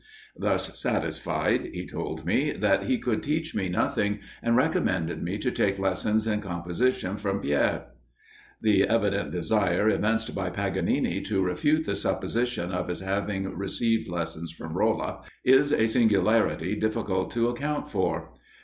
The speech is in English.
Thus satisfied, he told me, that he could teach me nothing, and recommended me to take lessons in composition from Paër." The evident desire evinced by Paganini to refute the supposition of his having received lessons from Rolla, is a singularity difficult to account for.